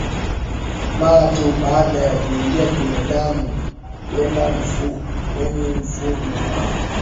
mara tu baada ya kuingia kwenye damu kuenda kwenye mfumo wa